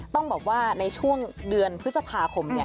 ต้องบอกว่าในช่วงเดือนพฤษภาคม